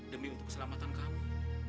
demi untuk keselamatan kamu